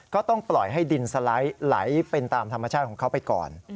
ก็ต้องปล่อยให้ดินสไลด์ไหลเป็นตามธรรมชาติของเขาไปก่อน